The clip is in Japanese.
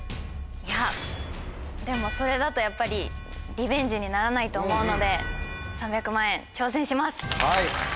いやでもそれだとやっぱりリベンジにならないと思うので３００万円挑戦します！